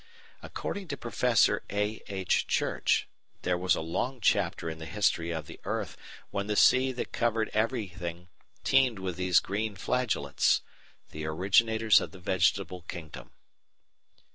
According to Prof. A. H. Church there was a long chapter in the history of the earth when the sea that covered everything teemed with these green flagellates the originators of the Vegetable Kingdom.